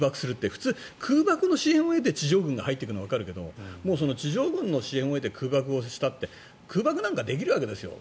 普通、空爆の支援を得て地上軍が入っていくのはわかるけど地上軍の支援を得て空爆をしたって空爆なんかできるわけです。